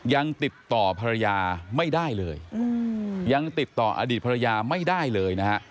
ยังติดต่อภรรยาไม่ได้เลยยังติดต่ออดีตภรรยาไม่ได้เลยนะฮะ